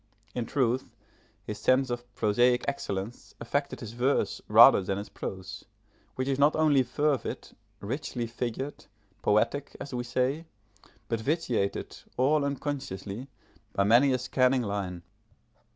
In truth, his sense of prosaic excellence affected his verse rather than his prose, which is not only fervid, richly figured, poetic, as we say, but vitiated, all unconsciously, by many a scanning line.